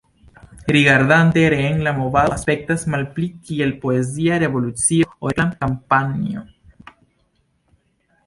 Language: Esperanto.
Rigardante reen, la movado aspektas malpli kiel poezia revolucio ol reklam-kampanjo.